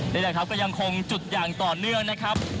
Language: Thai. นี่แหละครับก็ยังคงจุดอย่างต่อเนื่องนะครับ